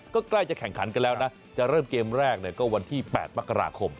ก็ใกล้จะแข่งขันกันแล้วนะจะเริ่มเกมแรกก็วันที่๘มกราคม